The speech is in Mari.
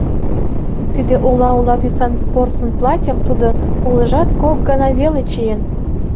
Тиде ола-ола тӱсан порсын платьым тудо улыжат кок гана веле чиен.